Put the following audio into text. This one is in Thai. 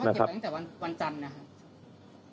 แต่ว่าเก็บไปตั้งแต่วันวันจันทร์นะครับ